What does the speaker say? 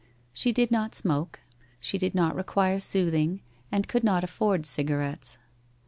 She did not smoke. She did not require soothing, and could not afford cigarettes.